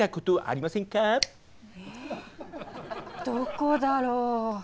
どこだろう？